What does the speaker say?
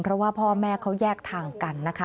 เพราะว่าพ่อแม่เขาแยกทางกันนะคะ